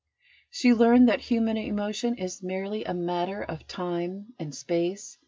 She learned that human emotion is merely a matter of time and space.